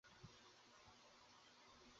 নিজামুদ্দিন সাহেবের বয়স পঞ্চাশের কাছাকাছি।